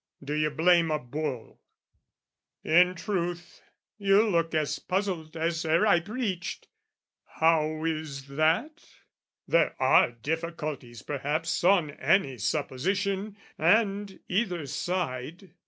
Do you blame a bull? In truth you look as puzzled as ere I preached! How is that? There are difficulties perhaps On any supposition, and either side.